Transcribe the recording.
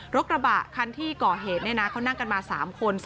รถกระบะคันที่ก่อเหตุเขานั่งกันมา๓คน